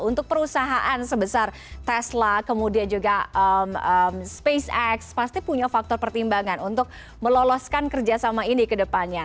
untuk perusahaan sebesar tesla kemudian juga spacex pasti punya faktor pertimbangan untuk meloloskan kerjasama ini ke depannya